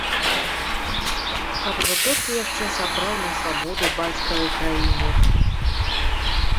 Каб жа толькі яшчэ сапраўднай свабоды бацькавай краіне!